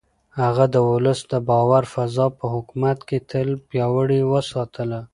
هغه د ولس د باور فضا په حکومت کې تل پياوړې وساتله.